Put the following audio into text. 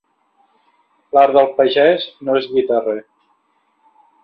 L'art del pagès no és guitarrer.